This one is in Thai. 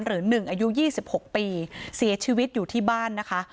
หรือหนึ่งอายุยี่สิบหกปีเสียชีวิตอยู่ที่บ้านนะคะ